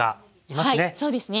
はいそうですね。